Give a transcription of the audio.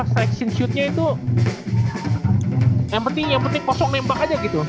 selection shootnya itu yang penting kosong nembak aja gitu